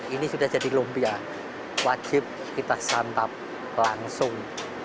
ini sudah jadi lumpia wajib kita santap langsung